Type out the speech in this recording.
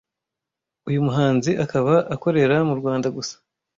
Uyu muhanzi akaba akorera mu Rwanda gusa